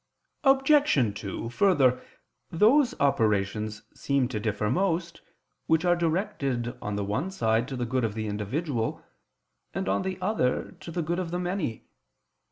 Obj. 2: Further, those operations seem to differ most, which are directed on the one side to the good of the individual, and on the other to the good of the many.